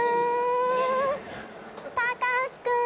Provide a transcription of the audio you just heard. たかし君！